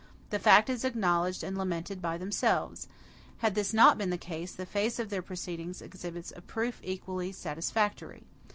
The fact is acknowledged and lamented by themselves. Had this not been the case, the face of their proceedings exhibits a proof equally satisfactory.